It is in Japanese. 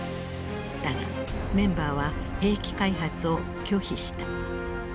だがメンバーは兵器開発を拒否した。